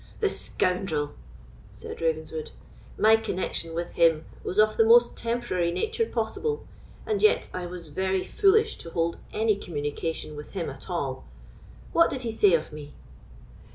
"The scoundrel!" said Ravenswood. "My connexion with him was of the most temporary nature possible; and yet I was very foolish to hold any communication with him at all. What did he say of me?"